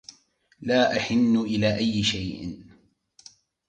لا أَحنُّ إلى أيِّ شيءٍ